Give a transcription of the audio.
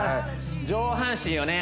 上半身をね